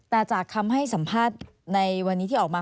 แต่จากคำให้สัมภาษณ์ในวันนี้ที่ออกมา